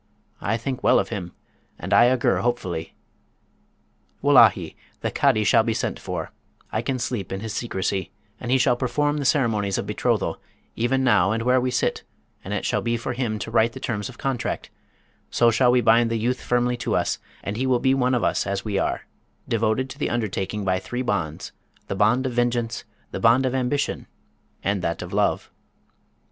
I think well of him, and I augur hopefully. Wullahy! the Cadi shall be sent for; I can sleep in his secresy; and he shall perform the ceremonies of betrothal, even now and where we sit, and it shall be for him to write the terms of contract: so shall we bind the youth firmly to us, and he will be one of us as we are, devoted to the undertaking by three bonds the bond of vengeance, the bond of ambition, and that of love.'